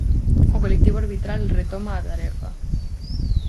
O colectivo arbitral retoma a tarefa.